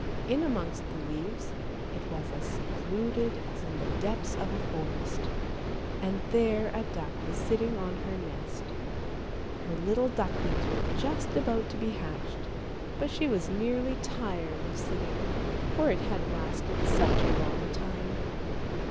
In amongst the leaves it was as secluded as in the depths of a forest; and there a duck was sitting on her nest. Her little ducklings were just about to be hatched, but she was nearly tired of sitting, for it had lasted such a long time.